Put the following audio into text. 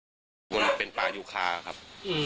วันนี้เป็นปลายุคาครับ